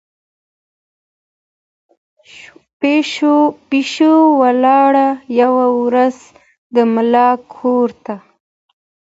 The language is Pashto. پشو ولاړه یوه ورځ د ملا کورته